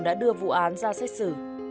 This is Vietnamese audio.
đã đưa vụ án ra xét xử